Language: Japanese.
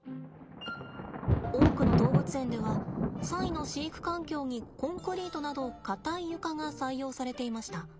多くの動物園ではサイの飼育環境にコンクリートなど硬い床が採用されていました。